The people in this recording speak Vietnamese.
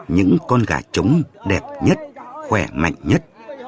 những con gà trống đẹp nhất khỏe mạnh nhất